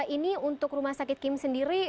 ini untuk rumah sakit kim sendiri